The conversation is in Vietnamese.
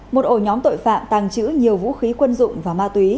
một ổ nhóm tội phạm tàng trữ nhiều vũ khí quân dụng và ma túy